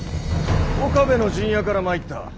岡部の陣屋から参った。